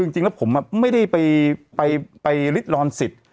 จริงไม่ได้ไปริดรณศิษย์